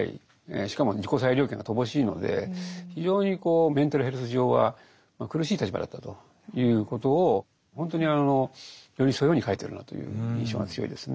しかも自己裁量権が乏しいので非常にこうメンタルヘルス上は苦しい立場だったということを本当に寄り添うように書いてるなという印象が強いですね。